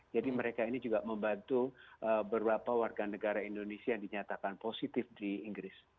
jadi mereka ini juga membantu beberapa warga negara indonesia yang dinyatakan positif di inggris